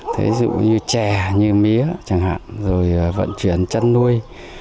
thế dụ như chè như mía chẳng hạn rồi vận chuyển chăn nuôi